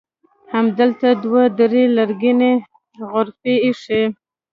همدلته دوه درې لرګینې غرفې ایښي.